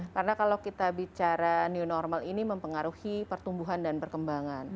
karena kalau kita bicara new normal ini mempengaruhi pertumbuhan dan perkembangan